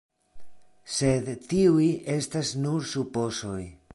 Sed tiuj estas nur supozoj.